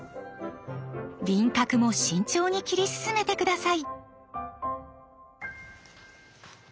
輪郭も慎重に切り進めて下さい。